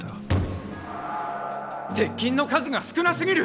鉄筋の数が少なすぎる。